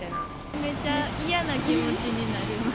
めちゃ嫌な気持ちになります。